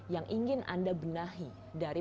yang ingin anda benahi dari